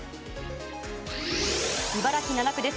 茨城７区です。